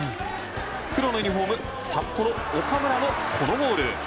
黒のユニホーム札幌岡村のこのゴール。